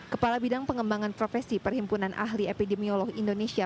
kepala bidang pengembangan profesi perhimpunan ahli epidemiolog indonesia